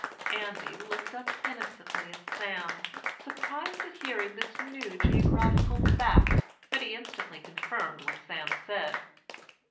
"Andy looked up innocently at Sam, surprised at hearing this new geographical fact; but he instantly confirmed what Sam said.